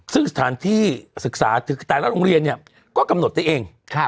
ซึ่งสถานที่ศึกษาแต่ละโรงเรียนเนี่ยก็กำหนดได้เอง